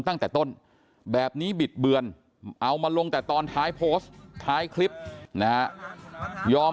ตั้งแต่ต้นแบบนี้บิดเบือนเอามาลงแต่ตอนท้ายโพสต์ท้ายคลิปนะฮะยอม